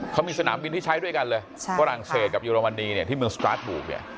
เขามีสนามบินที่ใช้ด้วยกันเลยฝรั่งเศสกับเยอรมนีเนี่ยที่เมืองสตาร์ทบุกเนี่ย